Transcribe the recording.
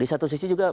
di satu sisi juga